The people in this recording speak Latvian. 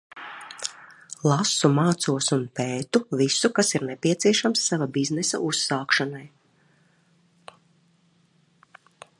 Lasu, mācos un pētu visu, kas nepieciešams sava biznesa uzsākšanai.